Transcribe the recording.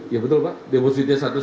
ya betul pak depositnya status